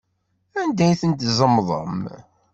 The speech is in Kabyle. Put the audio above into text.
Anda ay ten-tzemḍem?